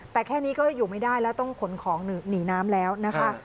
แต่แค่นี้ก็อยู่ไม่ได้แล้วต้องขนของหนีน้ำแล้วนะคะ